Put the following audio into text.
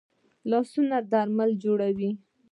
لاسونه درمل جوړوي